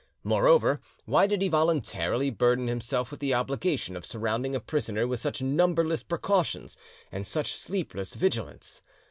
Moreover, why did he voluntarily burden himself with the obligation of surrounding a prisoner with such numberless precautions and such sleepless vigilance?